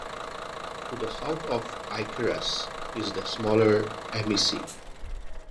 To the south of Icarus is the smaller Amici.